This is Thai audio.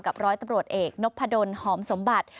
ร้อยตำรวจเอกนพดลหอมสมบัติ